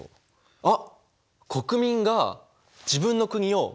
あっ！